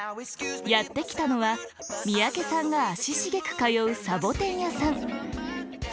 やって来たのは三宅さんが足しげく通うサボテン屋さん